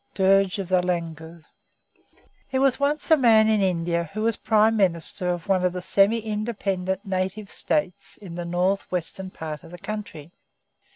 Dirge of the Langurs. There was once a man in India who was Prime Minister of one of the semi independent native States in the north western part of the country.